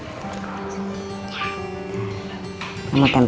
pesta ulang tahun